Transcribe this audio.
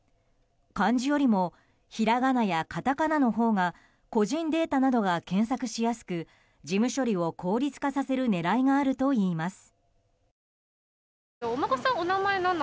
漢字よりもひらがなやカタカナのほうが個人データなどが検索しやすく事務処理を効率化させる狙いがあるといいます。